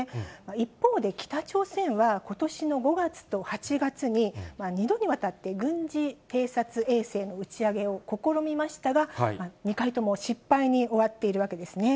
一方で北朝鮮は、ことしの５月と８月に、２度にわたって軍事偵察衛星の打ち上げを試みましたが、２回とも失敗に終わっているわけですね。